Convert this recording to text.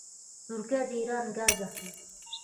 ترکیه د ایران ګاز اخلي.